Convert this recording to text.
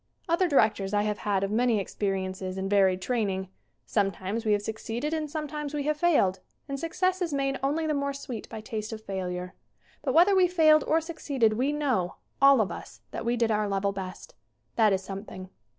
Other directors I have had of many experi ences and varied training. Sometimes we have succeeded and sometimes we have failed, and success is made only the more sweet by taste of failure. But whether we failed or succeeded we know, all of us, that we did our level best. That is something.